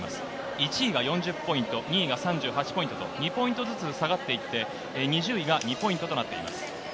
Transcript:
１位が４０ポイント、２位が３８ポイントと２ポイントずつ下がっていて、２０位が２ポイントとなっています。